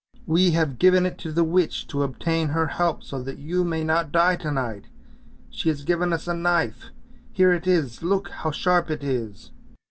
" We have given it to the witch to obtain her help, so that you may not die to night! she has given us a knife, here it is, look how sharp it is!